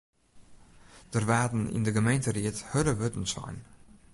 Der waarden yn de gemeenteried hurde wurden sein.